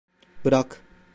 Bırak.